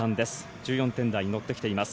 １４点台に乗ってきています。